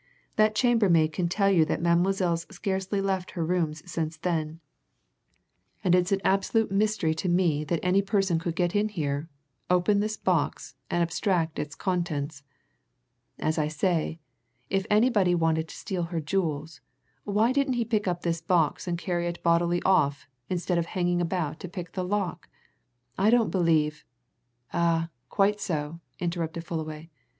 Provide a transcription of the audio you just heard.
That chambermaid can tell you that Mademoiselle's scarcely left her rooms since then, and it's an absolute mystery to me that any person could get in here, open this box, and abstract its contents. As I say if anybody wanted to steal her jewels, why didn't he pick up this box and carry it bodily off instead of hanging about to pick the lock? I don't believe " "Ah, quite so!" interrupted Fullaway.